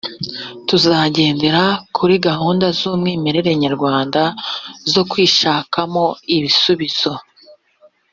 tuzagendera kuri gahunda z ‘umwimerere nyarwanda zo kwishakamo ibisubizo